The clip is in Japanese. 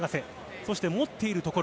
そして、持っているところ。